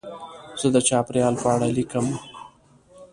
زه د چاپېریال په اړه لیکم.